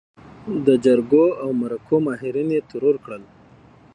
د جرګو او مرکو ماهرين يې ترور کړل.